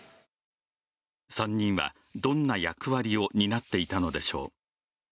３人はどんな役割を担っていたのでしょう。